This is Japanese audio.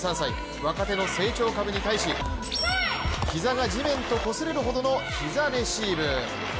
若手の成長株に対し膝が地面にこすれるほどの膝レシーブ。